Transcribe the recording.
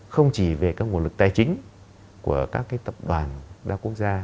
không chỉ về các nguồn lực tài chính của các tập đoàn đa quốc gia